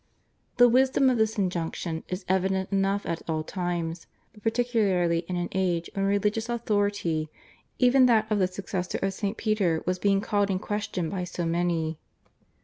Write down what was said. The wisdom of this injunction is evident enough at all times, but particularly in an age when religious authority, even that of the successor of St. Peter, was being called in question by so many.